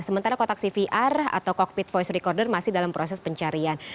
sementara kotak cvr atau cockpit voice recorder masih dalam proses pencarian